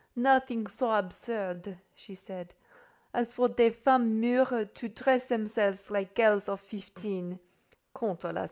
"Nothing so absurd," she said, "as for des femmes mûres 'to dress themselves like girls of fifteen'—quant à la.